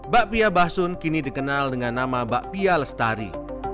bakpia basun kini dikenal dengan nama bakpia lestari